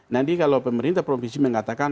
nanti kalau pemerintah provinsi mengatakan